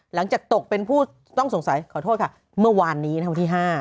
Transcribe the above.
หลังจากตกเป็นผู้ต้องสงสัยขอโทษค่ะเมื่อวานนี้วันที่๕